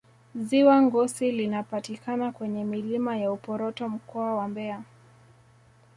Ziwa Ngosi linapatikana kwenye milima ya Uporoto Mkoa wa Mbeya